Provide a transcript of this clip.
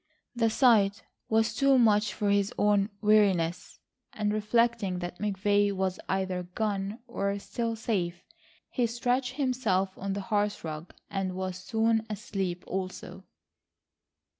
The sight was too much for his own weariness, and reflecting that McVay was either gone or still safe, he stretched himself on the hearth rug and was soon asleep also.